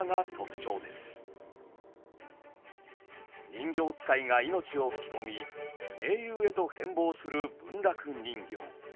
人形遣いが命を吹き込み「名優」へと変貌する文楽人形。